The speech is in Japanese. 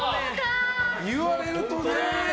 言われるとね。